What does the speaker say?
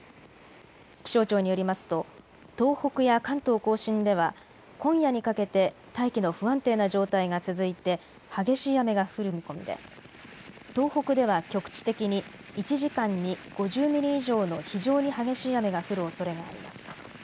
気象庁によりますと東北や関東甲信では今夜にかけて大気の不安定な状態が続いて激しい雨が降る見込みで東北では局地的に１時間に５０ミリ以上の非常に激しい雨が降るおそれがあります。